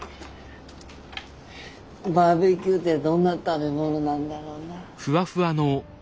バーベキューってどんな食べ物なんだろうな。